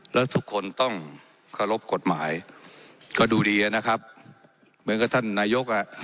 แล้วทุกคนต้องเคารพกฎหมายก็ดูดีนะครับเหมือนกับท่านนายกอ่ะ